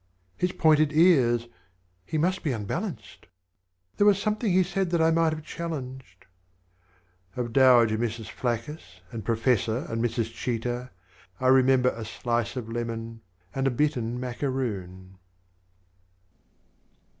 "His pointed ears... He must be unbalanced," "There was something he said that I might have challenged." Of dowager Mrs. Phlaccus, and Professor and Mrs. Cheetah I remember a slice of lemon, and a bitten macaroon.